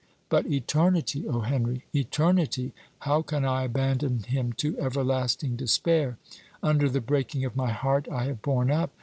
But eternity! O Henry! eternity how can I abandon him to everlasting despair! Under the breaking of my heart I have borne up.